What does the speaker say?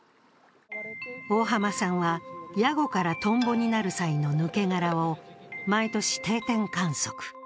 大浜さんは、ヤゴからトンボになる際の抜け殻を毎年定点観測。